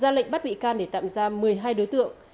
ra lệnh bắt bị can để tạm giam một mươi hai đối tượng